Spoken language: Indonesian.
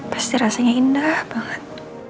pasti rasanya indah banget